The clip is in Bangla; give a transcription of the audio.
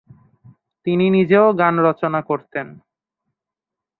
তিনি নিজেও গান রচনা করতেন।